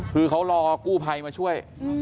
คือเขารอกู้ภัยมาช่วย